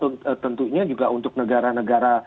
tentunya juga untuk negara negara